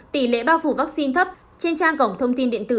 tỷ lệ bác phụ vaccine thấp trên trang cổng thông tin điện tử